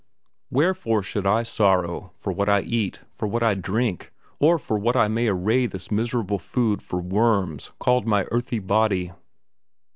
Wherefore should I sorrow for what I eat, for what I drink, or for what I may array this miserable food for worms called my earthy body?